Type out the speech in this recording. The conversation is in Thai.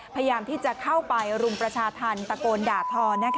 พยายามที่จะเข้าไปรุมประชาธรรมตะโกนด่าทอ